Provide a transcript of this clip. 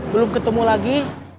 belum ketemu lagi